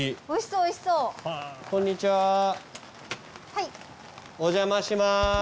こんにちはお邪魔します。